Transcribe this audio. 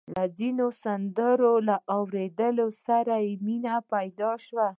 د ځينو سندرو له اورېدو سره يې مينه پيدا شوه.